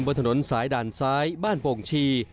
บนถนนสายด่านซ้ายบ้านโป่งชี